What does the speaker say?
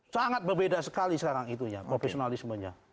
sangat berbeda sekali sekarang itunya profesionalismenya